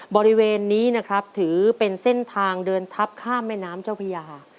บริเวณนี้นะครับถือเป็นเส้นทางเดินทับข้ามแม่น้ำเจ้าพญา